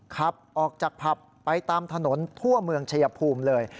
ขับออกจากผับไปตามถนนทั่วเมืองชายภูมิเลย